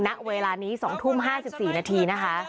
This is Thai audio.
ณเวลานี้๒ทุ่ม๕๔นาทีนะคะ